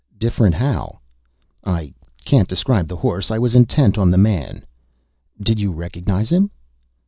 "Different how?" "I can't describe the horse. I was intent on the man." "Did you recognize him?"